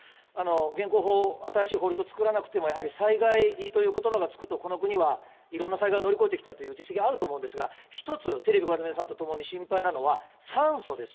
現行法、新しい法律を作らなくても、やはり災害ということばが付くとこの国はいろんな災害を乗り越えてきたという実績があると思うんですが、１つ、テレビをご覧の皆さんと共に心配なのは、酸素です。